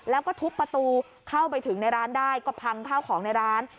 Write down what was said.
แล้วก็ทุบประตูเข้าไปถึงในร้านได้ก็พังข้าวของในร้าน